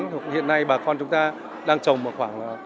hiện nay bà con chúng ta đang trồng khoảng năm mươi